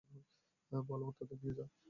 বলওয়ান, তাদের নিয়ে যা।